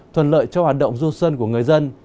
thuận lợi cho hoạt động du xuân của người dân